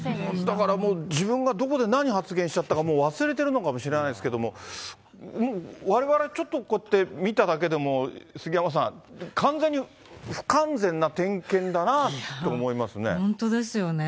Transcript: だからもう、自分がどこで何発言しちゃったかもう忘れてるのかもしれないですけども、われわれちょっと、こうやって見ただけでも、杉山さん、完全に不完全な点検だなと思いますね。